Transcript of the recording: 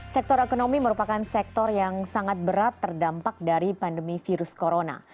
sektor ekonomi merupakan sektor yang sangat berat terdampak dari pandemi virus corona